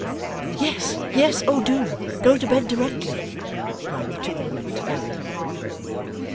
'Yes yes, oh do! Go to bed directly,' cried the two women together.